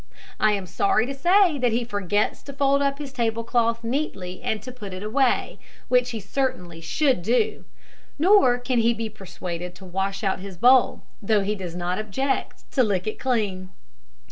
I am sorry to say that he forgets to fold up his table cloth neatly and to put it away, which he certainly should do; nor can he be persuaded to wash out his bowl, though he does not object to lick it clean.